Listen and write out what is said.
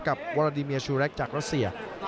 กับวาราดิเมียชูแรกจากรัสเซีย